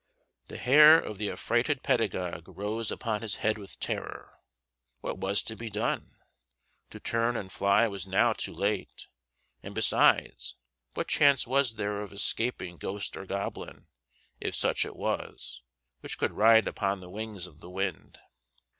The hair of the affrighted pedagogue rose upon his head with terror. What was to be done? To turn and fly was now too late; and besides, what chance was there of escaping ghost or goblin, if such it was, which could ride upon the wings of the wind?